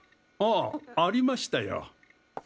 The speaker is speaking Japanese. あっありましたよ。